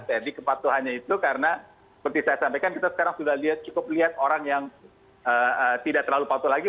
jadi kepatuhannya itu karena seperti saya sampaikan kita sekarang sudah cukup lihat orang yang tidak terlalu patuh lagi